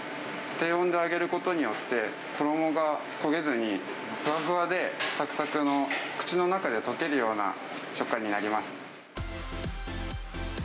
低温で揚げることによって、衣が焦げずにふわふわで、さくさくの、口の中で溶けるような食感になります。